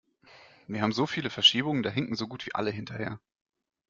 Wir haben so viele Verschiebungen, da hinken so gut wie alle hinterher.